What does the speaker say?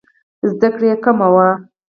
زده کړې یې کمه وه.